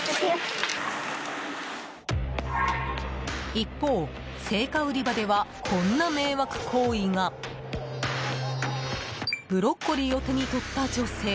一方、青果売り場ではこんな迷惑行為が。ブロッコリーを手に取った女性。